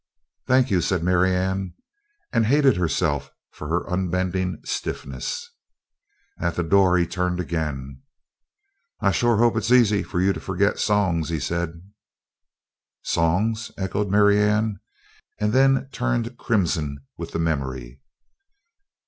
"Thank you," said Marianne, and hated herself for her unbending stiffness. At the door he turned again. "I sure hope it's easy for you to forget songs," he said. "Songs?" echoed Marianne, and then turned crimson with the memory.